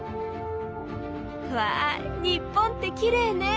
わあ日本ってきれいね。